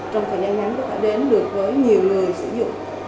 trong thời gian ngắn có thể đến được với nhiều người sử dụng